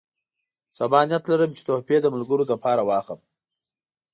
سبا نیت لرم چې تحفې د ملګرو لپاره واخلم.